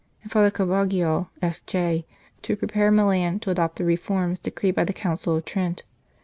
and Father Carvagial, S.J., to pre pare Milan to adopt the reforms decreed by the Council of Trent.